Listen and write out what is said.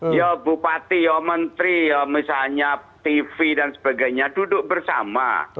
ya bupati ya menteri misalnya tv dan sebagainya duduk bersama